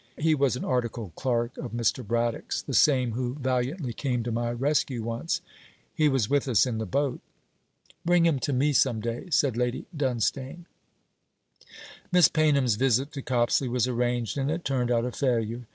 He was an articled clerk of Mr. Braddock's, the same who valiantly came to my rescue once. He was with us in the boat.' 'Bring him to me some day,' said Lady Dunstane. Miss Paynham's visit to Copsley was arranged, and it turned out a failure.